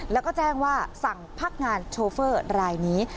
แล้วก็แจ้งว่าสั่งพักงานโชเฟอร์รายนี้